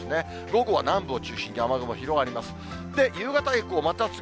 午後は南部を中心に雨雲広がります。